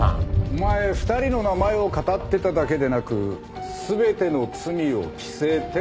お前２人の名前をかたってただけでなく全ての罪を着せて。